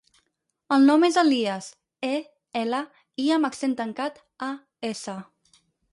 El nom és Elías: e, ela, i amb accent tancat, a, essa.